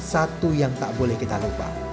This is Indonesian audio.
satu yang tak boleh kita lupa